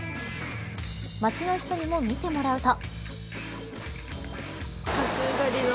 街の人にも見てもらうと。